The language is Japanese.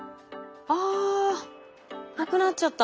あ無くなっちゃった。